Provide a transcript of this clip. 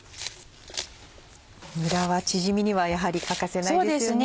にらはチヂミにはやはり欠かせないですよね。